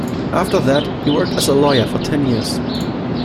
After that, he worked as a lawyer for ten years.